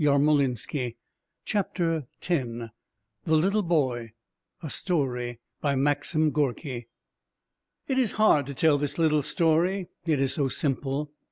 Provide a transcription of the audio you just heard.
THE LITTLE BOY THE LITTLE BOY (A STORY) BY MAXIM GORKY It is hard to tell this little story, it is so simple.